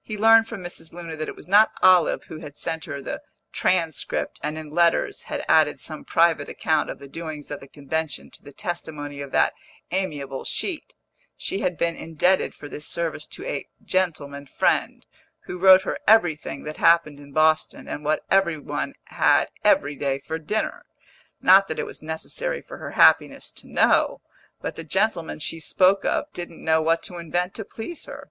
He learned from Mrs. Luna that it was not Olive who had sent her the "Transcript" and in letters had added some private account of the doings at the convention to the testimony of that amiable sheet; she had been indebted for this service to a "gentleman friend," who wrote her everything that happened in Boston, and what every one had every day for dinner. Not that it was necessary for her happiness to know; but the gentleman she spoke of didn't know what to invent to please her.